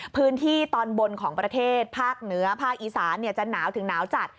พื้นที่ตอนบนของประเทศภาคเหนือภาคอีสานจะหนาวถึงหนาวจัด